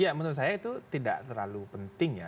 ya menurut saya itu tidak terlalu penting ya